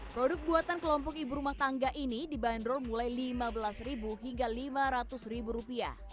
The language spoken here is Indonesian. produk buatan kelompok ibu rumah tangga ini dibanderol mulai rp lima belas hingga rp lima ratus